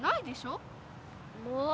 もう！